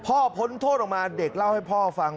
พ้นโทษออกมาเด็กเล่าให้พ่อฟัง